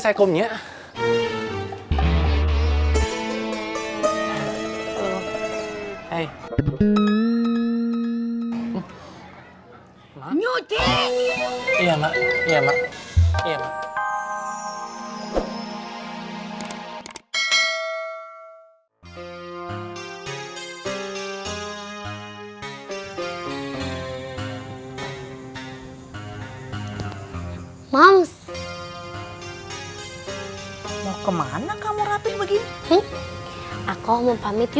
aku mau pamit yuk mams